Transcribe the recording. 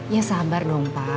ya sabar dong pak